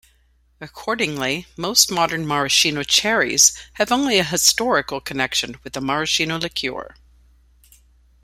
Accordingly, most modern maraschino cherries have only a historical connection with maraschino liqueur.